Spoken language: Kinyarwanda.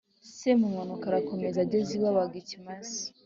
Semuhanuka arakomeza, ageze iwe abaga ikimasa